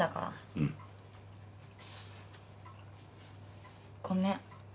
うん。ごめん。